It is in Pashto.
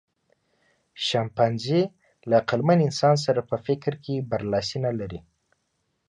شامپانزي له عقلمن انسان سره په فکر کې برلاسی نهلري.